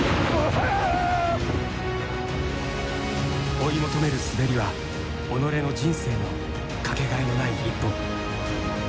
追い求める滑りは己の人生の掛けがえのない１本。